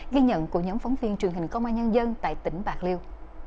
ghi nhận của nhóm phóng viên truyền hình công an nhân dân tại tỉnh bạc liêu